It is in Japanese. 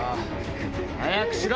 早くしろ！